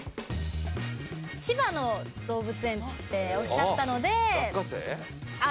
千葉の動物園っておっしゃったのであっ